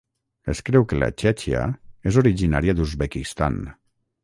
Es creu que la txèxia és originària d'Uzbekistan.